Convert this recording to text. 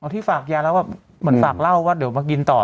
ที่ฝากยาแล้วแบบเหมือนฝากเล่าว่าเดี๋ยวมากินต่อ